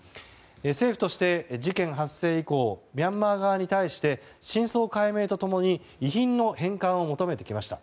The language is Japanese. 政府として事件発生以降ミャンマー側に対して真相解明と共に遺品の返還を求めてきました。